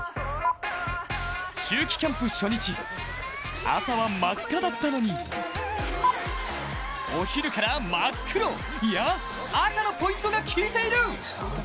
秋季キャンプ初日、朝は真っ赤だったのにお昼から、真っ黒、いや、赤のポイントが効いている！